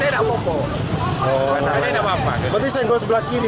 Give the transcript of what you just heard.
berarti saya harus belakang kiri